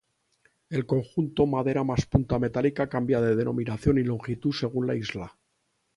El conjunto madera más punta metálica cambia de denominación y longitud según la isla.